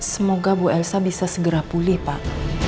semoga bu elsa bisa segera pulih pak